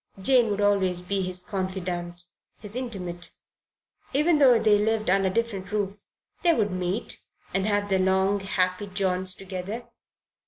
Jane would always be his confidante, his intimate. Even though they lived under different roofs, they would meet and have their long happy jaunts together.